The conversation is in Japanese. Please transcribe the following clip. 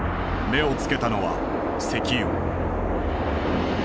目を付けたのは石油。